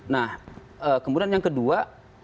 nah kemudian yang kedua